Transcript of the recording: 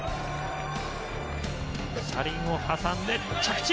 車輪を挟んで着地！